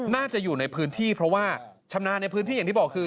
น่าจะอยู่ในพื้นที่เพราะว่าชำนาญในพื้นที่อย่างที่บอกคือ